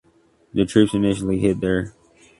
The troops initially hid there.